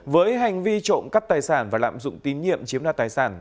với hành vi trộm cắt tài sản và lạm dụng tín nhiệm chiếm đa tài sản